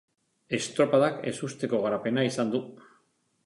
Estropadak ezusteko garapena izan du.